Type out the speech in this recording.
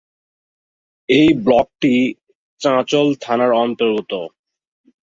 এই ব্লকটি চাঁচল থানার অন্তর্গত।